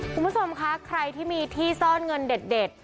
คุณผู้ชมคะใครที่มีที่ซ่อนเงินเด็ด